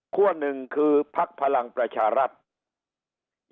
ขั้วหนึ่งคือพรรคพลังประชารัติ